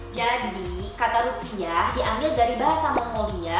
jadi kata rupiah diambil dari bahasa mongolia